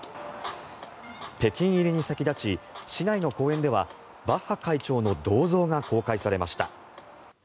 北京入りに先立ち市内の公園ではバッハ会長の銅像が公開されました。